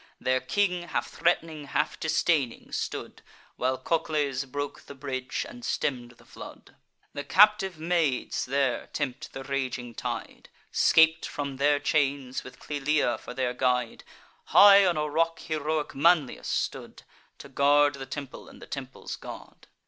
Their king, half threat'ning, half disdaining stood, While Cocles broke the bridge, and stemm'd the flood. The captive maids there tempt the raging tide, Scap'd from their chains, with Cloelia for their guide. High on a rock heroic Manlius stood, To guard the temple, and the temple's god.